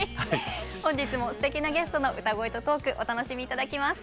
本日もすてきなゲストの歌声とトークお楽しみ頂きます。